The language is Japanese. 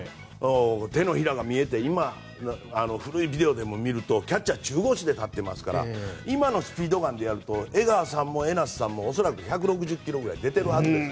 手のひらが見えて今、古いビデオとか見るとキャッチャーは中腰で立ってますから今のスピードガンでやると江川さんも江夏さんも恐らく１６０ｋｍぐらい出ているはずです。